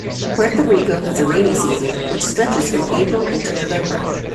Puerto Rico has a rainy season which stretches from April into November.